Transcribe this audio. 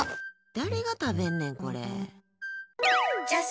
誰が食べんねん、これ。